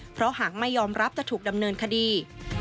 เพราะหากไม่ยอมรับจะถูกดำเนินคดี